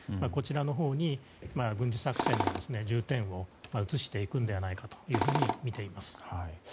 こちらのほうに軍事作戦の重点を移していくのではないかとみています。